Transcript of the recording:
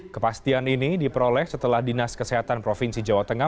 kepastian ini diperoleh setelah dinas kesehatan provinsi jawa tengah